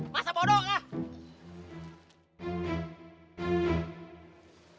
masa bodoh kak